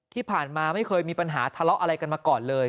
ที่ผ่านมาไม่เคยมีปัญหาทะเลาะอะไรกันมาก่อนเลย